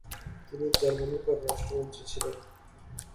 তিনি জার্মানির পররাষ্ট্রমন্ত্রী ছিলেন।